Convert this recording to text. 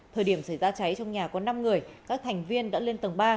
thời điểm xảy ra cháy trong nhà có năm người các thành viên đã lên tầng ba